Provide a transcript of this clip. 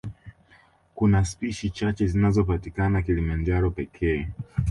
Kuna spishi chache zinazopatikana Kilimanjaro pekee